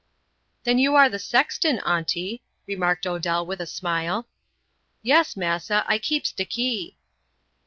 "Then you are the sexton, Aunty," remarked Odell, with a smile. "Yes, massa, I keeps de key."